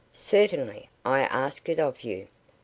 "Certainly; I ask it of you."